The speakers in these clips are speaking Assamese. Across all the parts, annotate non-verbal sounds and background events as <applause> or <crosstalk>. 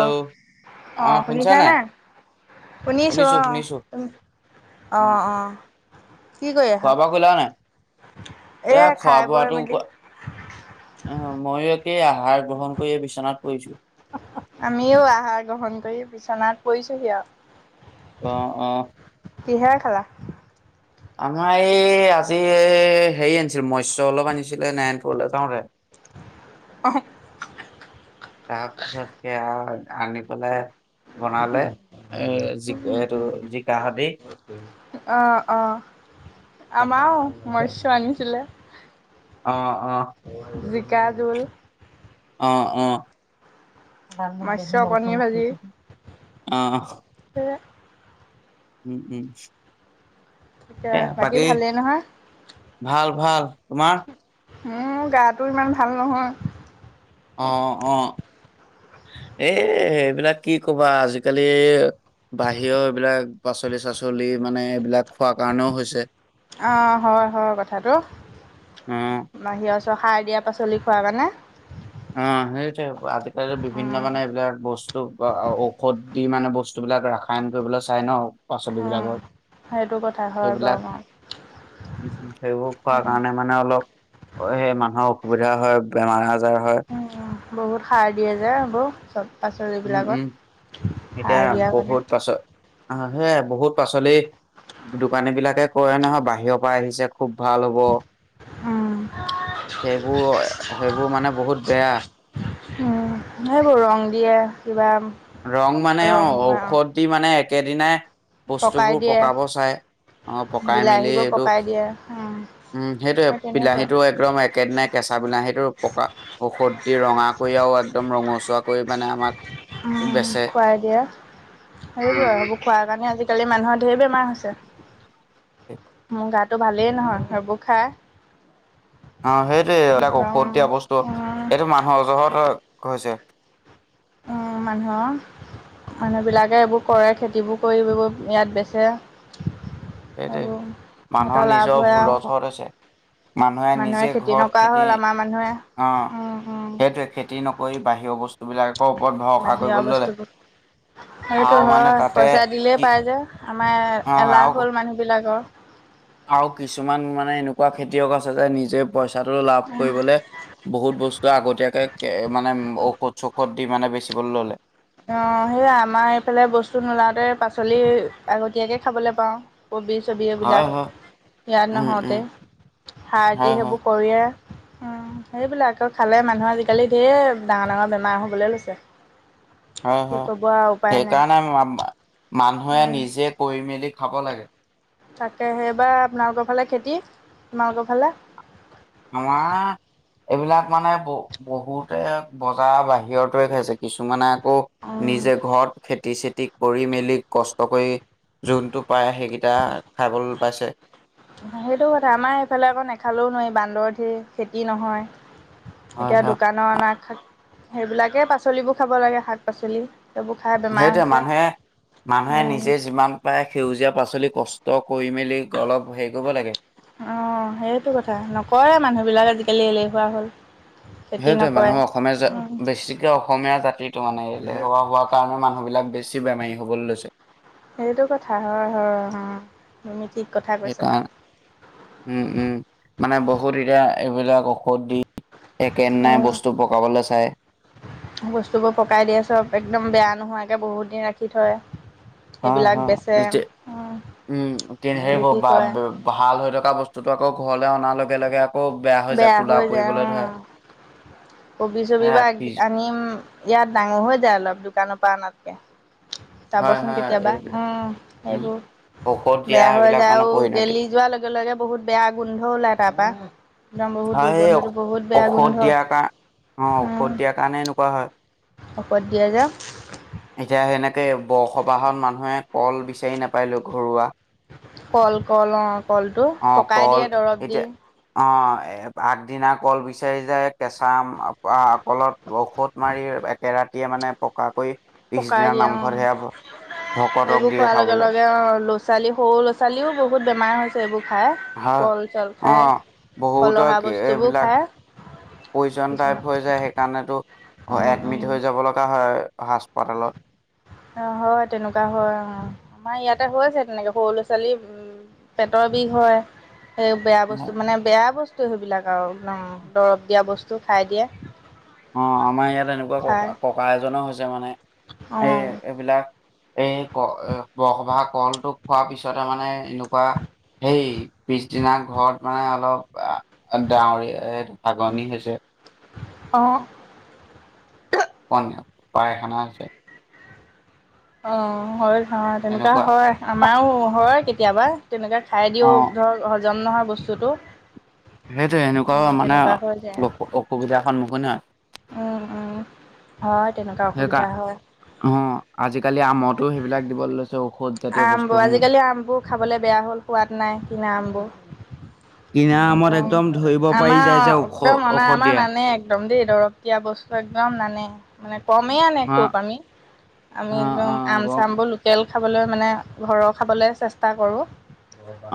অ', অ আহ শুনছা শুনিছা নাই নে? শুনিছো অ', অ অহ অহ খোৱা বোৱা কৰিলা নাই? এ এয়া খোৱা খাই বৈ বোৱাটো মেলি কোৱা আহ ময়ো একেই আহাৰ গ্ৰহণ কৰি বিচনাত পৰিছো। আমিও আহাৰ গ্ৰহণ কৰি বিচনাত পৰিছোহি আৰু। অঁ অঁ। হাৰ খালা আমাৰ এই আজি হেৰি আনিছিল মসয় অলপ আনিছিলে নাৰায়ণপুৰলে যাওঁতে। আহ। তাৰ পিছত সেয়া আনি পেলাই বনালে এ' জ এইটো জিকাহতে অঁ অঁ তাৰপা আমাৰও মৎস্য আনিছিলে। অঁ অঁ। জিকা জোল। অঁ অঁ। মৎস্য কণী ভাজি অঁ। সেয়া উম উম। তাকে এ বাকী ভালেই নহয়? ভাল ভাল, তোমাৰ? মোৰ গাটো ইমান ভাল নহয়। অঁ অঁ। উ <unintelligible> এ এইবিলাক কি ক'বা আজিকালি বাহিৰৰ এইবিলাক পাচলি চাচলি মানে এইবিলাক খোৱাৰ কাৰণেও হৈছে। অ', হয় হয় কথাটো, অ', বাহি আ সাৰ দিয়া পাচলি খোৱা কাৰণে অ' সেইতে আজিকালি বিভিন্ন উম মানে এইবিলাক বস্তু ঔষধ দি মানে বস্তুবিলাক ৰাসায়ন কৰিবলৈ চাই ন পাচলিবলাকত। সেইটো কথা হয় বাৰু সেইবিলাক অ। উ সেইবোৰ খোৱা উম কাৰণে মানে অলপ সেই মানুহৰ অসুবিধা হয় বেমাৰ আজাৰ হয়। উম, বহুত সাৰ দিয়ে যে এইবোৰ চব উম, উম, পাচলিবিলাকত। সাৰ এতিয়া দিয়া কাৰণে বহুত পাছল আহ সে বহুত পাচলি দোকানী বিলাকে কয় নহয় বাহিৰৰ পৰা আহিছে খুব ভাল হ'ব উম, সেইবোৰ- সেইবোৰ মানে বহুত বেয়া। উম সেইবোৰ ৰং দিয়ে কিবা ৰং মানে অ ৰং ঔষধ দি মানে একেদিনাই পকাই বস্তুবোৰ দিয়ে পকাব চায়। অ' পকাই মেলি বিলাহীবোৰ এইটো পকাই দিয়ে উম, উম সেইটোয়ে সেই তেনেকুৱা বিলাহীটো একদম একেদিনাই কেঁচা বিলাহীটো পকা ঔষধ দি ৰঙা কৰি আৰু একদম ৰঙচুৱা কৰি মানে আমাক উম বেচে। খুৱাই দিয়ে সেইবোৰ আৰু সেইবোৰ খোৱাই মানে আজিকালি মানুহৰ ধেৰ বেমাৰ হৈছে মোৰ গাটো ভালেই নহয় সেইবোৰ খাই। অ' সেইটো এটা একদম ঔষধ উম, দিয়া বস্তু। এইটো মানুহ অজহত হৈছে। উ মানুহৰ মানুহবিলাকে এইবোৰ কৰে, খেতিবোৰ কৰি এইবোৰ ইয়াত বেচে। সেইটোৱে আৰু মানুহৰ সিহঁতৰ নিজৰ লাভ আও ভুলৰ জহত হৈছে। মানুহে নিজে ঘৰত খেতি হ'ল আমাৰ মানুহে অ সেইটোয়ে খেতি নকৰি বাহিৰৰ বস্তু বাহিৰৰ বস্তুবোৰ। সেইটো আৰু মানে হয়, তাতে পইচা দিলেই কি পাই যে। আমাৰ অ এলাহ আৰু হ'ল মানুহবিলাকৰ আৰু কিছুমান মানে এনেকুৱা খেতিয়ক আছে যে নিজে পইচাটো লাভ কৰিবলে বহুত বস্তু আগতীয়াকে মানে ঔষধ চৌষধ দি মানে বেচিবলৈ ললে অ' সেই আমাৰ এইফালে বস্তু নোলাওঁতে পাচলি আগতীয়াকে খাবলৈ পাওঁ। কবি চবি হয় এইবিলাক হয় ইয়াত উম উম নহওঁতে সাৰ দি হয় হয় সেইবোৰ কৰি উম, সেইবিলাক আকৌ খালে মানুহৰ আজিকালি ঢেৰ ডাঙৰ - ডাঙৰ বেমাৰ হ'বলৈ লৈছে। হয় কি হয় ক'ব আৰু উপায় নাই সেইকাৰণে মানুহে নিজে কৰি মেলি মেলি খাব লাগে তাকে সেইবাৰ আপোনালোকৰ ফালে খেতি, আপোনালোকৰ ফালে আমাৰ এইবিলাক মানে বহ বহুতে বজাৰ বাহিৰতে খাইছে কিছুমানে আকৌ ফালে নিজে ঘৰত খেতিচেত তি কৰি মেলি কষ্ট কৰি যোনটো পায়, সেইকেইটা খাবলৈ পাইছে। সেইটো কথা আমাৰ এইফালে আকৌ নেখালেও নোৱাৰি বান্দৰ ধেৰ খেতি নহয় হয় এতিয়া হয় দোকানৰ অনা শাক- সেইবিলাকে পাচলিবোৰ খাব লাগে শাক-পাচলি। সেইটোয়ে মানুহে মানুহে উম নিজে যিমান পাৰে সেউজীয়া পাচলি কষ্ট কৰি মেলি অলপ হেৰি কৰিব লাগে। অ সেইটো কথা নকৰে মানুহ বিলাক আজি এলে- এলেহুৱা‌ হ'ল। খেতি সেইটোৱে নকৰে মানুহে অসমীয়া উম বেছিকে অসমীয়া জাতিটো মানে এলেহুৱা হোৱাৰ কাৰণে মানুহ বিলাক বেছি বেমাৰী হ'বলৈ লৈছে সেইটো কথা হয় হয়ম সেইকাৰণে, উম-উম, মানে বহুত দিনৰ এইবিলাক ঔষধ দি একেদিনাই বস্তু উম পকাবলৈ চায়। বস্তুবোৰ পকাই দিয়ে চব, একদম বেয়া নোহোৱাকে বহুত দিন ৰাখি থয়। হা - এইবিলাক হা, বেচে সেইটোৱে। উম উম, কিন্তু সেইবোৰ বিক্ৰী বা- কৰে ব- ভাল হৈ থকা বস্তুটো আকৌ ঘৰলে অনাৰ লগে - লগে আকৌ যায় বেয়া কোলা হৈ যায় পৰিবলৈ উম। ধৰে কবি চবি হে বা, ফ্ৰিজ আনিম, ইয়াত ডাঙৰ হৈ যায় অলপ দোকানৰ পৰা আনাতকে। হয় যাবচোন হয় কেতিয়াবা এইবিলাক উম উম এইবোৰ ঔষধ দিয়া বেয়া হৈ সেইবিলাক যায় মানে আৰু পৰিণতি গেলি যোৱাৰ লগে লগে বহুত বেয়া গোন্ধ ওলাই তাৰপৰা একদম বহুত হয় সেই ৰ্দুগোন্ধটো বহুত বেয়া ঔষধ গোন্ধ দিয়াৰ কাৰ অ ঔষধ উম, দিয়াৰ কাৰণে এনেকুৱা হয় ঔষধ দিয়া যে। এতিয়া সেনেকে আৰু বসবাসৰ মানুহে কল বিচাৰি নাপাইলগো ঘৰুৱা কল কল অ কলটো অ পকাই দিয়ে দৰৱ দি এহ আগদিনা কল বিচাৰি যায় কেঁচা আহ কলত ঔষধ মাৰি একেৰা <unintelligible> মানে পকাকৈ। পকাই দিয়া অ ভকতক সেইবোৰ দিয়ে খোৱাৰ লগে খাবলৈ লগে অ ছোৱালী সৰু ছোৱালীও বহুত বেমাৰ হৈছে এইবোৰ। খাই হয়, কল চল অ, খাই বহুতৰ ফলহা কি বস্তুবোৰ এইবিলাক খাই পইজন টাইপ কিছুমান হৈ যায় সেইকাৰণেতো, উম এডমিট উম হৈ যাব লগা হয়। হাস্পাতালত। অ', হয় তেনেকুৱা হয়, আহ আমাৰ ইয়াতে হৈ আছে তেনেকে সৰু ল'ৰা ছোৱালী উম, পেটৰ বিষ হয়। সেই বেয়া বস্তু মানে বেয়া বস্তু সেইবিলাক আৰু ন' দৰৱ দিয়া বস্তু খাই দিয়ে। অ', আমাৰ ইয়াত এনেকোৱা খাই ককা-ককা এজনৰ হৈছে মানে, এ অ' এইবিলাক। এই <unintelligible> খোৱাৰ পিছতে মানে এনেকোৱা সেই, পিছদিনা ঘৰত মানে অলপ <unintelligible> হাগনি হৈছে। অঁ <unintelligible> পাইখানা হৈছে। অ', হয় ধৰা তেনেকোৱা এনেকুৱা হয় আমাৰো হয় কেতিয়াবা। তেনেকৈ খাই দিওঁ অ ধৰক হজম নহয় বস্তুটো। সেইটোৱে সেনেকুৱাও অ' মানে তেনেকুৱা অ, হৈ যায় অসুবিধাৰ সন্মুখীন হয়। উম উম হয় তেনেকুৱা সেইকাৰ, অসুবিধা হয় অ, আজিকালি আমাৰতো সেইবিলাক দিবলে লৈছে ঔষধ। জাতীয় আমবোৰ বস্তুসমূহ আজিকালি আমবোৰ খাবলৈ বেয়া হ'ল সোৱাদ নাই কিনা আমবোৰ। কিনা আমত একদম, ধৰিব পাৰি আমাৰ যায় যে ঔষ একদম অনা ঔষধ আমাৰ দিয়া নানে একদ দম দেই। দৰৱ দিয়া বস্তু একদম নানে। মানে কমেই আনে অ খুব আমি। আমি অ একদম অ আম গ চামবোৰ লোকেল মানে ঘৰৰ খাবলৈ চেষ্টা কৰোঁ।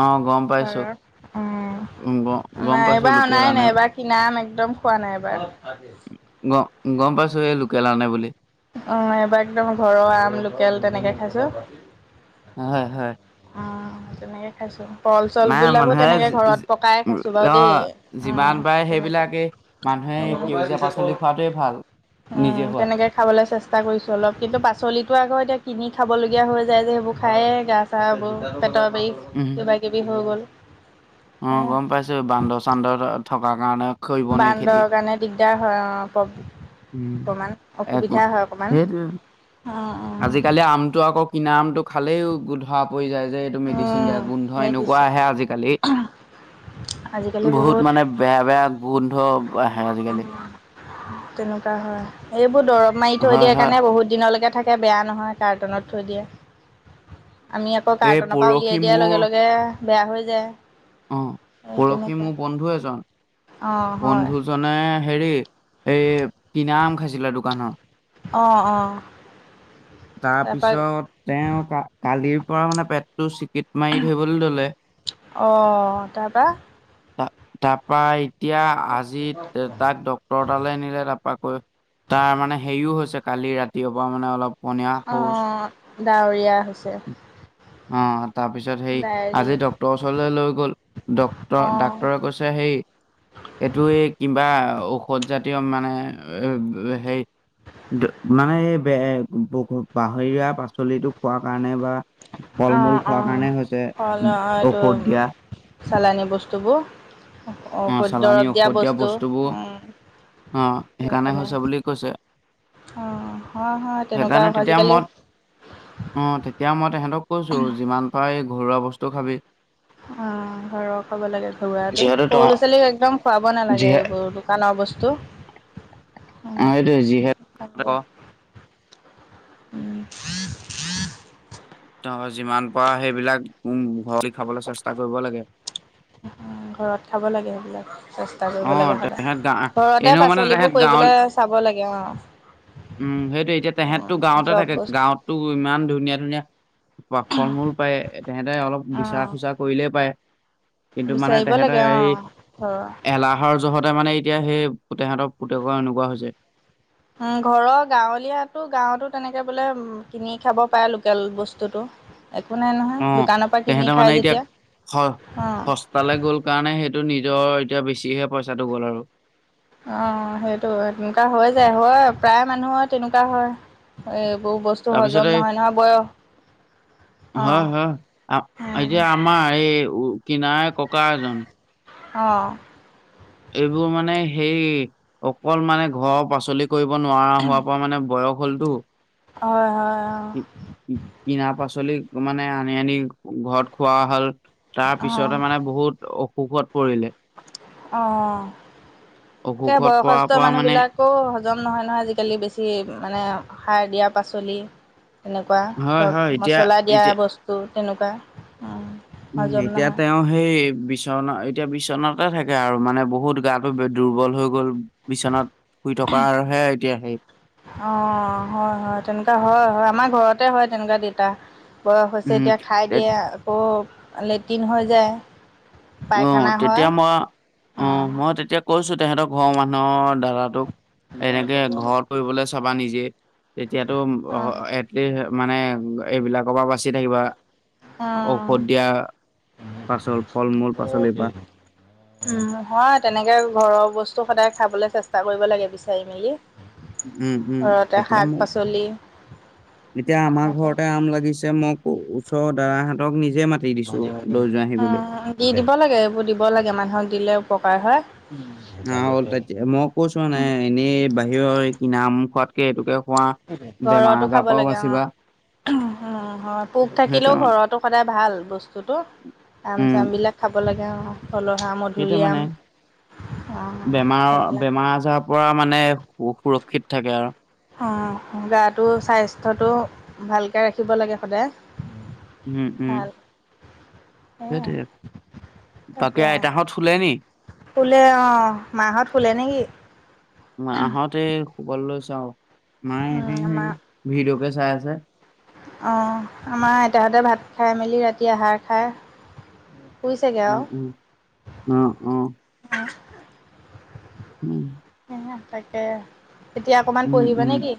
অ', গম পাইছোঁ, উম, গ গম আমাৰ পাইছোঁ এইবাৰ লোকেল অনাই আনে নাই এইবাৰ কিনা আম আনি একদম খোৱা নাই এবাৰ গ গম পাইছোঁ এই লোকেল আনে বুলি। অ এইবাৰ একদম ঘৰৰ আম লোকেল তেনেকে খাইছোঁ। হয় হয়। তেনেকে খাইছো। কল চল নাই বিলাকো মানুহে তেনেকে যি ঘৰত যি পকাই খাইছোঁ বাও দেই। অ', উম তেনেকে। সেই সেউজীয়া পাচলি খোৱাটোৱেই ভাল। উম নিজে হোৱা। তেনেকে খাব লে চেষ্টা কৰিছো অলপ। কিন্তু পাচলিতটো আকৌ এতিয়া কিনি খাবলগীয়া হৈ যায় যে সেইবোৰ খায়েই গা চাহবোৰ পেটৰ বিৰিষ উম। কিব কিবি হৈ গ'ল অ সেয়া গম পাইছো বান্দৰ চান্দৰ থকা কাৰণে কৰিব নোৱাৰি খেতি। বান্দৰ কাৰণে দিগদাৰ হয় অ প উম। অকণমান একো অসুবিধা হয় অকণমান। সেইটোৱে। উম উম আজিকালি আমটো আকৌ কিনা আমটো খালেও গো ধৰা পৰি যায় যে এইটো মেডিচিন দিয়া উম গোন্ধ এনেকুৱা মেডিচিন আহে আজিকালি, বহুত মানে বেয়া বেয়া গোন্ধ আহে আজিকালি তেনেকুৱা হয়। এইবোৰ দৰব মাৰি থৈ হয়, দিয়া হয়। কাৰণে বহুত দিনলৈকে থাকে বেয়া নহয় কাৰ্টুনত থৈ দিয়ে। আমি আকৌ এই কাৰ্টনৰ পৰা পৰহি উলিয়াই দিয়াৰ মোৰ লগে লগে বেয়া হৈ যায়। অ। এই পৰহি তেনেকুৱা মোৰ বন্ধু এজন, অঁ হয় বন্ধুজনে হেৰি এই কিনা আম খাইছিলে দোকানৰ। অঁ অঁ তাৰপৰা তাৰপিছত তেওঁ কা-কালিৰ পৰা মানে পেটটো চি গীট মাৰি ধৰিবলৈ ললে অ', তাৰপা ত তাৰপই এতিয়া আজি তাক ডক্তৰ তালৈ নিলে তাৰপা আকৈ তাৰমানে হেৰিও হৈছে কালি ৰাতিয় পৰাা মানে অলপ পনীয়া শৌ অ', ডাৱৰীয়া হৈছে অ তাৰ পিছত সেই আজি ডায়েৰিয়া। ড্টৰৰ ওচৰলৈ লৈ গ'ল ডট অ', ডাক্টৰে কৈছে সেই এইটো এই কিবা ঔষধ জাতীয় মানে সেই মানে এই ব বাহৰিীয়া পাচলিিতোক খোৱাৰ কাৰণে বা ফল মূল অ', খোৱাৰ অ'। কাৰণে হৈছে ফল এইটো ঔষধ দিয়া চালানী অ বস্তুবোৰঔ চালানী দৰৱ দিয়া ঔষধ বস্তু বস্তুবোৰ অ', সেয়া সেইকাৰণে কাৰণে হৈছে বুলি কৈছে। অ', হয়, হয় তেনেকুৱা হেকাণে তেতিয়া আজিকালি মই অ', তেতিয়া মই মই তেহেঁতক কৈছো যিমান পাৰ ঘৰুৱা বস্তু খাবি অ ঘৰৰ কব লাগে ঘৰুৱটো যিহেতু সৰু তহ ল'ৰা ছোৱালীক একদম খোৱাব নালাগে যিহে এইবোৰ দোকানৰ বস্তু অ এইটো যিহেত উম আহ আহ ত' যিমান পাৰ সেইবিলাক <unintelligible> খাবলৈ চেষ্টা কৰিব লাগে। ঘৰত খাব লাগে সেইবিলাক চেষ্টা অ কৰিব লাগে সদায় তেহেঁত গা ঘৰতে এনেও মানে তেহেঁত পাচলিবোৰ গাঁৱল কৰিবলৈ চাব লাগে অ উম সেইটো এতিয়া অ তেহেততটো গাঁৱতে চব থাকে বস্তু গাঁৱতো ইমান ধুনীয়া ধুনীয়া ফল মূল পায় তেহেতে অলপ অ বিচাৰ খোচাৰ কৰিলেই পায় কিন্তু মানে বিচাৰিব লাগে তেহেঁতেৰ অ এই ঘৰৰ এলাহৰ জোহতে মানে এই তেতিয়া সেই পুতেহঁতৰ পুতেকৰ এনেকোৱা হৈছে ঘৰৰ গাঁৱলীয়াাতো গাঁৱতো তেনেকে বোলে কিনি খাব পাৰে লোকেল বস্তুতটো অ', তেহেঁতে মানে এতিয়া অ স-সস্তালে গ'ল কাৰণে সেইটো নি এতিয়া বেছিহে পইচাটো গ'ল আৰু অ সেইটো তেনেকুৱা হৈ যায় হয় প্ৰায় মানুহৰ তেনেকুৱা হয় এ বহু বস্তু হজম নহয় নহয় বয়স হ অ হয়া এই যে আম এই কিনাৰে ককা এজন অঁ এইবোৰ মানে সেই অকল মানে ঘৰৰ পাচলি কৰিব নোৱাৰা হোৱাৰ পৰা মানে বয় হ'লটো হয় হয় কিনা পাচলি মানে আনি আনি ঘৰত খোৱা হল তাৰ অ পিছতে মানে বহুত অসুখত পৰিলে অ', এই অসুখত পৰাৰ বয়সস্থ পৰা মানে মানুহবিলাকো জম নহয় নহয় আজিকালি বেছি মানে সাৰ দিয়া পাচলি তেনেকুৱা হয় ধৰক হয় এতিয়া মছলা দিয়া এতিয়া বস্তু তেনেকুৱা উম হজম এতিয়া নহয় তেওঁ সেই বিচনা এতিয়া বিচনাতে থাকে আৰু মানে বহুত গাটো দুৰ্বল হৈ গ'ল বিচনাত শুই থকাৰহে এতিয়া হেয়ি অ হয় হয় তেনেকুৱা হয় হয় আমাৰ ঘৰত তে হয়, তেনেকুৱা দেতা বয়স হৈছে এতিয়া খায় উম দিয়ে আকৌ লেট্ৰিন হৈ যায় উ পায়খানা হয় তেতিয়া মই অ অঁ মই তেতিয়া কৈছো তেহেঁতৰ ঘৰৰ মানুহৰ দাদ তোক এনেকে ঘ কৰিববলৈ চাবা নিজে তেতিয়াতো অঁ এটলিষ্ট মানে এইবিলাকৰ পৰা বাচি থাকিবা অঁ ঔষধ দিয়া পাচল ফল মূল পাচলিৰ পৰা। উম হয়য় তেনেকে ঘৰৰ বস্তু সদায় খাবলৈ চেষ্টা কৰিব লাগে বিচাৰি মেলি উম, উম, ঘৰতে তেতিয়া শাক মোক পাচলি। এতিয়া আমাৰ তেনেকৈ ঘৰতে আম লাগিছে মোক ওচৰৰ দাদাহঁতক নিজ দি দিব লাগে এইবোৰ দিব লাগে মানুহক দিলে উপকাৰ হয় আহ'ল ততিয়া মই কৈছো নাই এনেই বাহিৰৰ এই কি নাম খোৱাতকে এইটোকে খোৱা বেমাৰজ পাও বাচিবা উম হয় পোক সেইটোৱে থাকিলেও ঘৰতো সদায় ভাল ব্তু বস্তুটো আম উম, চামবিলাক খাব লাগে আৰু মধুৰআম বেমাৰৰ বেমাৰ আজাৰৰ পৰা মানে সুৰক্ষিত থাকে আৰু অ গাটো স্বাস্থ্যটো ভালকৈ ৰাখিব লাগে সদায় উম উম ভাল সেয়া সেইট আ তাকে ফুলে অ মাহত ফুলে নেকি আহতে সুবল লৈছ চাও মায়ে উম, এনেই সেই ভিডঅকে চাই আছে অঁ আমাৰ আইতাহঁতে ভাত খাই মেলি ৰাতি আহাৰ খায় উম উম উম উ এ তাকে এতিয়া অকমান উম পঢ়িব উম নে কিি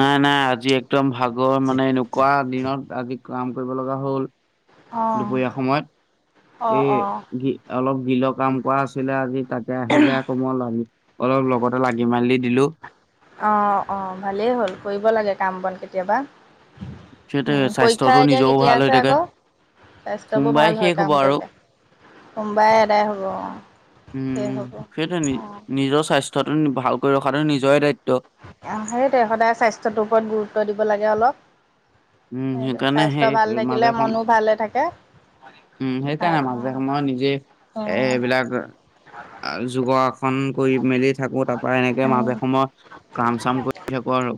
নাই নাই আজি একদম ভাগৰ মানে এনেকুৱা দিনত আজি কাম কৰিব লগা হ'ল অ', দুপৰীয়া সময়ত অ', অ', এই অলপ বিলৰ কাম কৰা আছিলে আজি তাাকতে আহিলে আকৌ মন লাগি অলপ লগতে লাগি মেল দি দিলো অ অ ভালেই হ'ল কৰিব লাগে কাম বন কেতিয়াবা উ সেইটোৱে পৰীক্ষা স্বাস্থ্যটো এতিয়া নিজৰও কেতিয়া ভাল হৈ আছে থাকে আকৌ স্বাস্থ্যবোৰ সোমবাৰে ভাল শেষ হয় হ'ব কাম আৰু কৰিলে হোমবাই এদাই হ'ব অ স উম, হ'ব সেইটো নি অঁ নিজৰ স্বাস্থ্যটো ভালকৈ ৰখাটো নিজৰে দায়িত্ব সেইটোৱে সদায় স্বাস্থ্যটোৰ ওপৰত গুৰুত্ব দিব লাগে অলপ উম, সেইটো সেইকাৰণে স্বাস্থ্য সেই ভাল মাজে থাকিলে সম মনো ভালে থাকে উম সেই ভাল কাৰনে মাজে অ', সময়ে নিজে এ উম, এইবিলাক আৰু যোগাসন কৰি মেলি থাকো তাৰ পৰাৰা এনেকে মাজে উম। সময় কাম চাম কৰি থাকো আৰু